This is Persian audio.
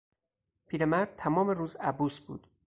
پیرمرد تمام روز عبوس بود.